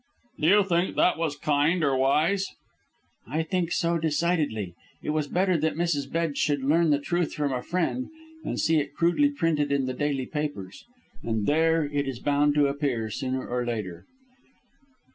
"Do you think that was kind or wise?" "I think so, decidedly. It was better that Mrs. Bedge should learn the truth from a friend than see it crudely printed in the daily papers. And there it is bound to appear sooner or later."